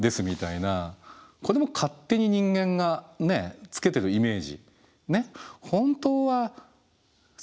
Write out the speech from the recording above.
これも勝手に人間がねつけてるイメージ。